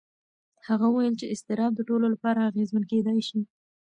هغه وویل چې اضطراب د ټولو لپاره اغېزمن کېدای شي.